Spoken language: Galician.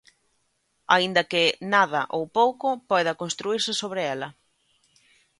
Aínda que nada, ou pouco, poida construírse sobre ela.